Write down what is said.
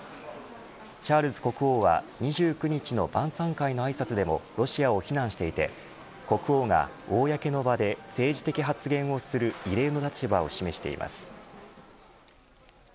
チャールズ国王は２９日の晩さん会のあいさつでもロシアを非難していて国王が公の場で政治的発言をする異例の立場を示しています。